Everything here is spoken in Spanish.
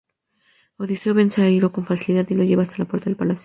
Odiseo vence a Iro con facilidad y lo lleva hasta la puerta del palacio.